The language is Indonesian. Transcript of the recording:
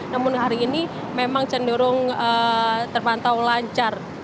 namun hari ini memang cenderung terpantau lancar